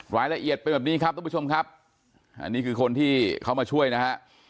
รายละเอียดเป็นแบบนี้ครับทุกผู้ชมครับอันนี้คือคนที่เขามาช่วยนะฮะ